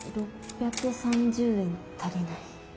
６３０円足りない。